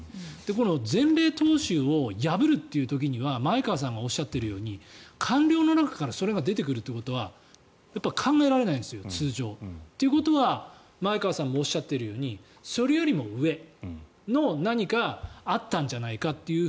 この前例踏襲を破るという時には前川さんがおっしゃっているように官僚の中からそれが出てくるのは考えられないんですよ、通常。ということは前川さんがおっしゃっているようにそれよりも上の何かあったんじゃないかという。